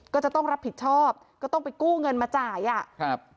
ก็จะต้องรับผิดชอบก็ต้องไปกู้เงินมาจ่ายอ่ะครับ